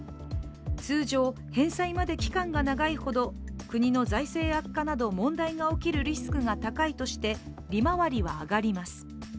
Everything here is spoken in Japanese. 通常、返済まで期間が長いほど国の財政悪化など問題が起きるリスクが高いとして利回りは上がります。